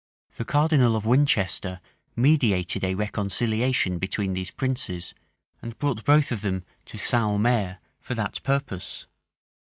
The cardinal of Winchester meditated a reconciliation between these princes, and brought both of them to St. Omers for that purpose.